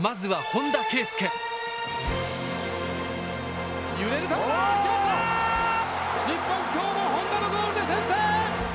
今日も本田のゴールで先制！